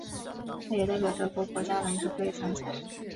他也代表德国国家篮球队参赛。